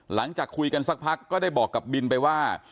หลังจากคุยกันสักพักก็ได้บอกกับบินไปว่า